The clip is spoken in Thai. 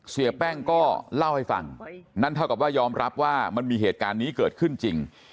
เสียแป้งก็เล่าให้ฟังนั่นเท่ากับว่ายอมรับว่ามันมีเหตุการณ์นี้เกิดขึ้นจริง